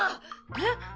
えっ。